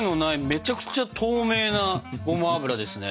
めちゃくちゃ透明なごま油ですね。